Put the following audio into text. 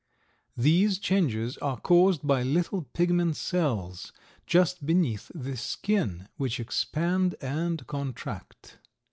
These changes are caused by little pigment cells just beneath the skin, which expand and contract.